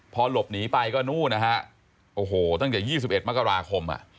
พอลบหนีไปตั้งแต่๒๑มกราคม